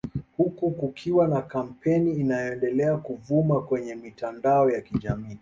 Huku kukiwa na kampeni inayoendelea kuvuma kwenye mitandao ya kijamii